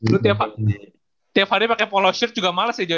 lu tiap hari pakai polo shirt juga males ya jo ya